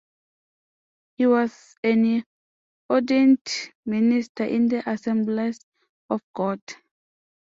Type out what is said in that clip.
He was an ordained minister in the Assemblies of God.